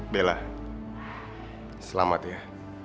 bella selamat ya